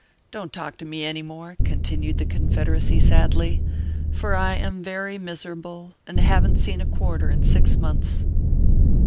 Don t talk to me any more," continued the Con federacy, sadly, " for I am very miserable, and haven t seen a quarter in six months."